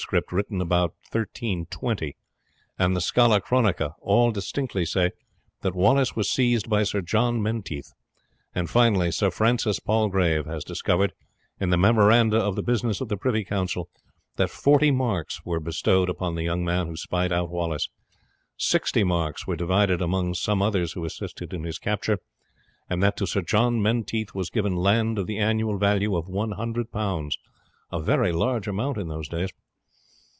written about the year 1320, and the Scala Chronica, all distinctly say that Wallace was seized by Sir John Menteith; and finally, Sir Francis Palgrave has discovered in the memoranda of the business of the privy council that forty marks were bestowed upon the young man who spied out Wallace, sixty marks were divided among some others who assisted in his capture, and that to Sir John Menteith was given land of the annual value of one hundred pounds a very large amount in those days.